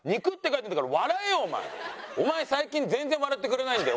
お前最近全然笑ってくれないんだよ